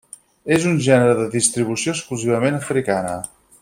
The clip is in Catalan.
És un gènere de distribució exclusivament africana.